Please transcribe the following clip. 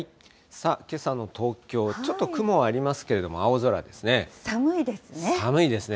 さあ、けさの東京、ちょっと雲ありますけれども、青空ですね。